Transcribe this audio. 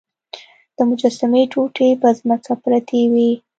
د مجسمې ټوټې په ځمکه پرتې وې.